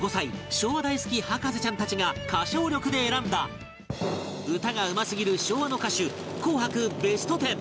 昭和大好き博士ちゃんたちが歌唱力で選んだ歌がうますぎる昭和の歌手紅白ベストテン